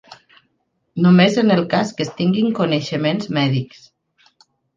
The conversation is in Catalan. Només en el cas que es tinguin coneixements mèdics.